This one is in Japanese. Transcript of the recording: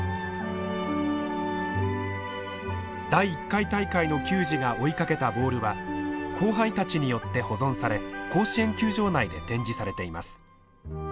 第１回大会の球児が追いかけたボールは後輩たちによって保存され甲子園球場内で展示されています。